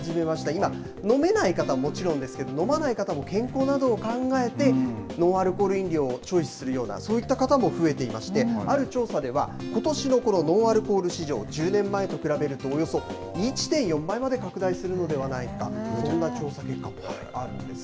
今、飲めない方はもちろんですけれども、飲まない方も健康などを考えて、ノンアルコール飲料をチョイスするような、そういった方も増えていまして、ある調査では、ことしのこのノンアルコール市場、１０年前と比べると、およそ１．４倍まで拡大するのではないか、そんな調査結果もあるんです。